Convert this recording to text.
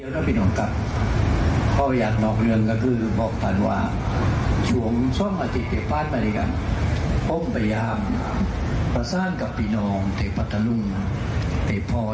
แต่พ่ออยู่จากแปลงนานูต